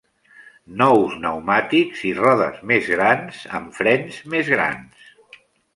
Nous pneumàtics i rodes mes grans amb frens més grans.